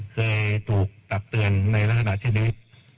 เคยถูกตักเตือนในลักษณะเช่นนี้